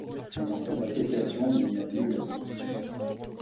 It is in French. Mais dans cette association il n’y a nulle abdication.